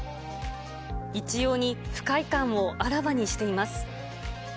一様に、不快感をあらわにしています。